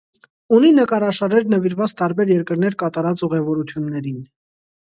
Ունի նկարաշարեր նվիրված տարբեր երկրներ կատարած ուղևորություններին։